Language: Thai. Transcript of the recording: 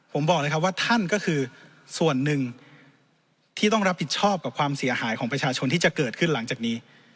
ผมบอกเลยครับว่าท่านก็คือส่วนหนึ่งที่ต้องรับผิดชอบกับความเสียหายของประชาชนที่จะเกิดขึ้นหลังจากนี้